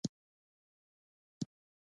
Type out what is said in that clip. دا پوښتنه د نن ورځې انسانانو لپاره مهمه ده.